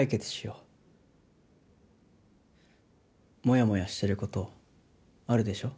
もやもやしてることあるでしょ？